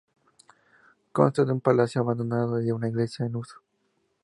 Consta de un palacio abandonado y de una iglesia en uso.